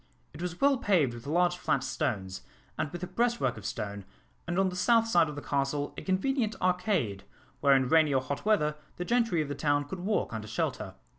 It was well paved with large flat stones, and with a breastwork of stone, and on the south side of the castle a convenient arcade, where in rainy or hot weather the gentry of the town could walk under shelter.